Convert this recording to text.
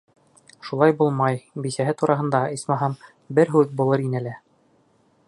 Шулай булмай, бисәһе тураһында, исмаһам, берәй һүҙ булыр ине лә.